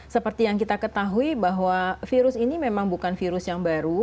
seperti yang kita ketahui bahwa virus ini memang bukan virus yang baru